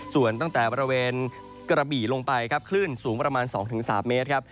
ส่วนตั้งแต่บริเวณกระบี่ลงไปครับคลื่นสูงประมาณ๒๓เมตรครับ